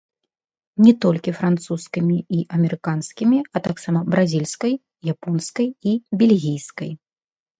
Не толькі французскімі і амерыканскімі, а таксама бразільскай, японскай і бельгійскай.